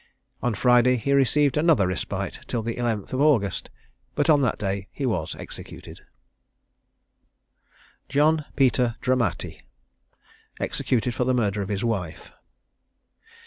On Friday he received another respite till the 11th of August, but on that day he was executed. JOHN PETER DRAMATTI. EXECUTED FOR THE MURDER OF HIS WIFE.